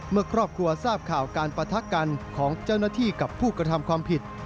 เมื่อครอบครัวทราบข่าวการปะทะกันของเจ้าหน้าที่กับผู้กระทำความผิด